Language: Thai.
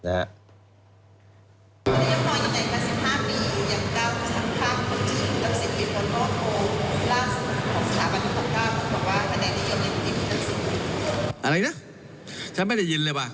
อะไรนะฉันไม่ได้ยินเลยว่ะ